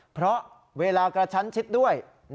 เพราะเวลากระชั้นชิดด้วย